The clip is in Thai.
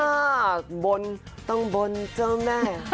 ถ้าบนต้องบนเจ้าแม่